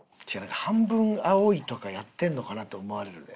『半分、青い。』とかやってるのかなと思われるで。